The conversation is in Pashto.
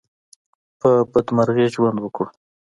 په بدمرغي ژوند وکړو.